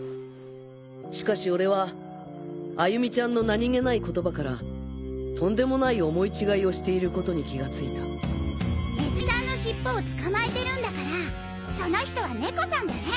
しかし俺は歩美ちゃんの何げない言葉からとんでもない思い違いをしていることに気が付いたネズミさんの尻尾をつかまえてるんだからその人は猫さんだね！